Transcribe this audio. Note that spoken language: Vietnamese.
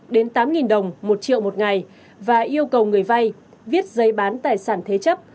đến tám đồng một triệu một ngày và yêu cầu người vay viết giấy bán tài sản thế chấp